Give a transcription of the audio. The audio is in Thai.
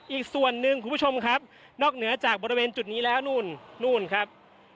อีกส่วนหนึ่งคุณผู้ชมครับนอกเหนือจากบริเวณจุดนี้แล้วนู่นนู่นครับ